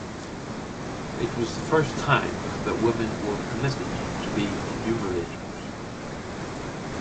It was the first time that women were permitted to be enumerators.